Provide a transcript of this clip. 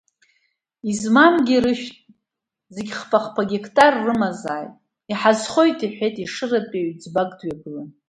Измамгьы ирышәҭ, зегьы хԥа-хԥа геқтар рымазааит, иҳазхоит иҳәеит Ешыратәи Аҩӡбак дҩагылан.